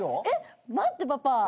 えっ待ってパパ。